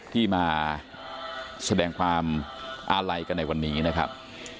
ที่มาแสดงความอาลัยกันในวันนี้นะครับ